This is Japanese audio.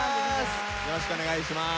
よろしくお願いします。